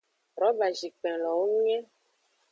Robazikpenlowo nge.